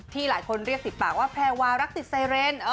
หลายคนเรียกติดปากว่าแพรวารักติดไซเรน